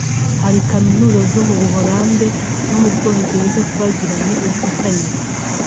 Hari Kaminuza zo mu Buholandi no mu Bwongereza twagiranye ubufatanye